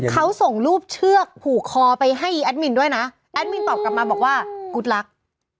เขาส่งรูปเชือกผูกคอไปให้แอดมินด้วยนะแอดมินตอบกลับมาบอกว่ากุ๊ดรัก